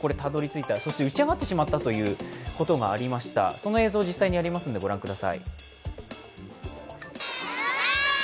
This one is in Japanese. その映像が実際にありますので、ご覧ください。